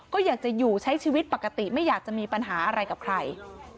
ก็อยากจะอยู่ใช้ชีวิตปกติไม่อยากจะมีปัญหาอะไรกับใคร